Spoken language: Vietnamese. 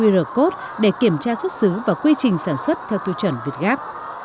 rờ cốt để kiểm tra xuất xứ và quy trình sản xuất theo tư chuẩn việt gáp